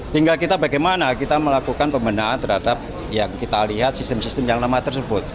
tinggal kita bagaimana kita melakukan pembinaan terhadap yang kita lihat sistem sistem yang lama tersebut